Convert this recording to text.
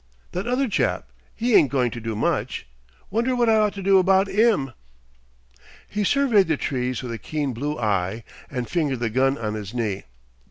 "That other chap, 'e ain't going to do much. Wonder what I ought to do about 'im?" He surveyed the trees with a keen blue eye and fingered the gun on his knee.